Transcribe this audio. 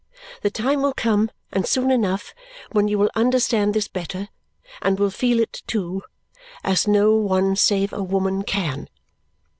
The time will come, and soon enough, when you will understand this better, and will feel it too, as no one save a woman can.'"